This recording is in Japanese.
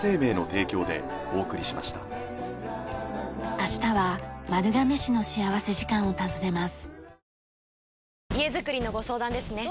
明日は丸亀市の幸福時間を訪ねます。